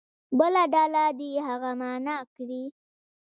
بله ډله دې هغه معنا کړي.